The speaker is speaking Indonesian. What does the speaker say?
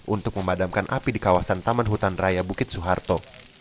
untuk memadamkan api di kawasan taman hutan raya bukit soeharto